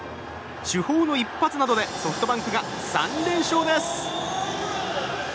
主砲の一発などでソフトバンクが３連勝です。